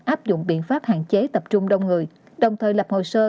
áp dụng biện pháp hạn chế tập trung đông người đồng thời lập hồ sơ